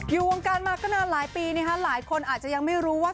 อยู่วงการมาก็นานหลายปีหลายคนอาจจะยังไม่รู้ว่า